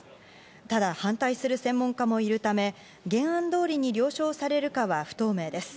ただ反対する専門家もいるため、原案通りに了承されるかは不透明です。